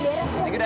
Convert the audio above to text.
ya ampun ya